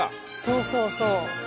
そうそうそう。